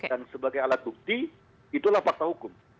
dan sebagai alat bukti itulah fakta hukum